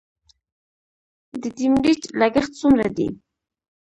د ډیمریج لګښت څومره دی؟